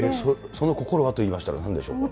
その心はといいましたら、なんでしょうか。